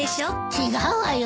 違うわよ。